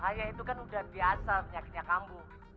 ayah itu kan udah biasa penyakitnya kamu